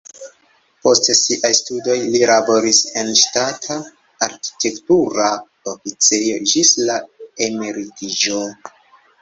Post siaj studoj li laboris en ŝtata arkitektura oficejo ĝis la emeritiĝo.